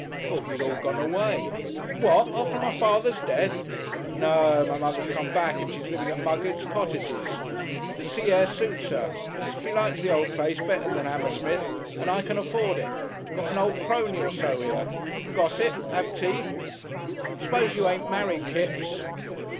"Thought you'd all gone away " "What! after my father's death? No! My mother's come back, and she's living at Muggett's cottages. The sea air suits 'er. She likes the old place better than Hammersmith ... and I can afford it. Got an old crony or so here.... Gossip ... have tea.... S'pose you ain't married, Kipps?"